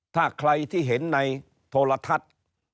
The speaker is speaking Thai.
ถ้าใครที่เห็นในโทรทัศน์